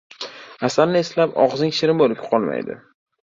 • Asalni eslab og‘zing shirin bo‘lib qolmaydi.